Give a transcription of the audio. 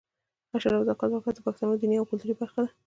عشر او زکات ورکول د پښتنو دیني او کلتوري برخه ده.